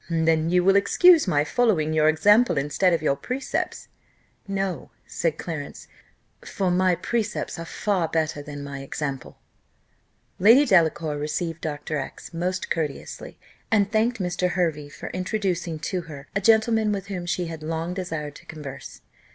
"Then you will excuse my following your example instead of your precepts." "No," said Clarence, "for my precepts are far better than my example." Lady Delacour received Dr. X most courteously, and thanked Mr. Hervey for introducing to her a gentleman with whom she had long desired to converse.